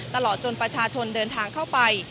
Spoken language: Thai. ตลอดจนประชาชนเดินทางเข้าไป